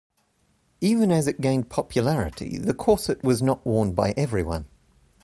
Even as it gained popularity, the corset was not worn by everyone.